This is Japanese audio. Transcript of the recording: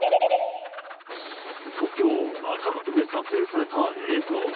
東京・中野区で撮影された映像。